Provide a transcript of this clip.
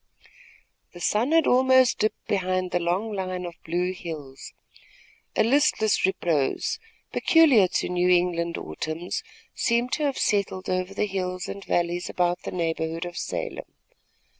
The sun had almost dipped behind the long line of blue hills. A listless repose, peculiar to New England autumns, seemed to have settled over the hills and valleys about the neighborhood of Salem.